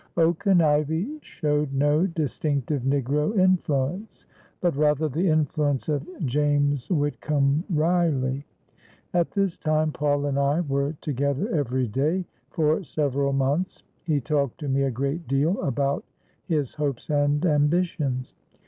"Oak and Ivy" showed no distinctive Negro influence, but rather the influence of James Whitcomb Riley. At this time Paul and I were together every day for several months. He talked to me a great deal about his hopes and ambitions.